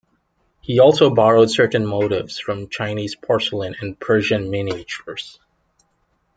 He also borrowed certain motifs from Chinese porcelain and Persian miniatures.